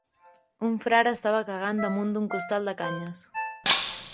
Un frare estava cagant damunt d’un costal de canyes.